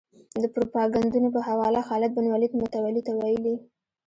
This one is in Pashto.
د پروپاګندونو په حواله خالد بن ولید متولي ته ویلي.